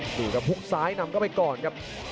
ดูครับฮุกซ้ายนำเข้าไปก่อนครับ